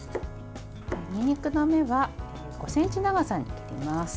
にんにくの芽は５ｃｍ長さに切ります。